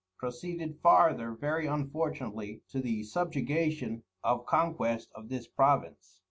proceeded farther very unfortunately to the Subjugation of Conquest of this Province.